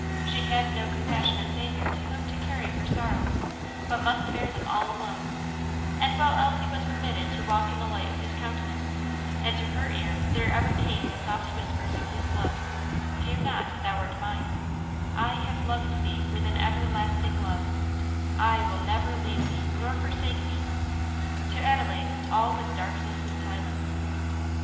She had no compassionate Saviour to whom to carry her sorrows, but must bear them all alone; and while Elsie was permitted to walk in the light of his countenance, and to her ear there ever came the soft whispers of his love "Fear not: thou art mine" "I have loved thee with an everlasting love" "I will never leave thee nor forsake thee," to Adelaide all was darkness and silence.